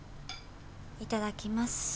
いただきます。